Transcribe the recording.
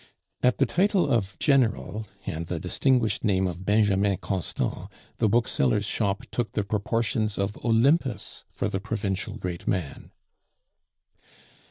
At the title of General, and the distinguished name of Benjamin Constant, the bookseller's shop took the proportions of Olympus for the provincial great man.